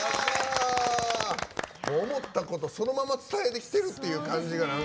思ったことをそのまま伝えてきてるっていうところが。